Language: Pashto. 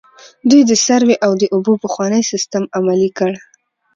دوی د سروې او د اوبو پخوانی سیستم عملي کړ.